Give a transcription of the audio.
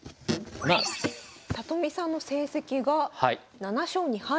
里見さんの成績が７勝２敗。